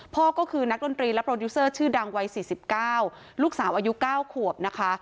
พ่อก็คือนักดนตรีและโปรดิวเซอร์ชื่อดังวัย๔๙ลูกสาวอายุ๙ขวบนะคะ